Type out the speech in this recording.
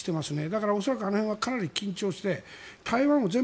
だから、恐らくあの辺はかなり緊張して。